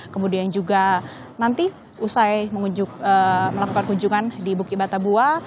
kemudian juga nanti usai melakukan kunjungan di bukit batabua